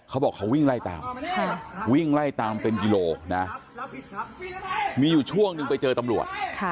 เขาบอกวิ่งไล่ตามเป็นยูโลมีอยู่ช่วงนึงไปเจอตำรวจ